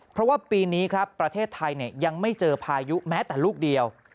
เพราะว่าปีนี้ครับประเทศไทยยังไม่เจอพายุแม้แต่ลูกเดียว